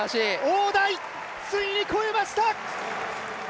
大台、ついに越えました！